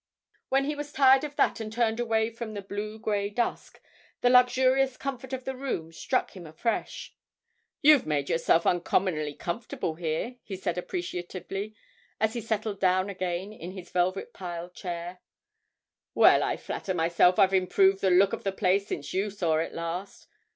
When he was tired of that and turned away from the blue grey dusk, the luxurious comfort of the room struck him afresh. 'You've made yourself uncommonly comfortable here,' he said appreciatively, as he settled down again in his velvet pile chair. 'Well, I flatter myself I've improved the look of the place since you saw it last.